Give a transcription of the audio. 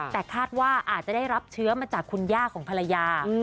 แต่คาดว่าอาจจะได้รับเชื้อมาจากคุณย่าของภรรยา